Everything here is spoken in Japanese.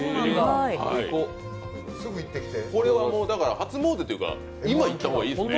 初詣というか、今行った方がいいですね。